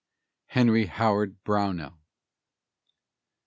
HENRY HOWARD BROWNELL.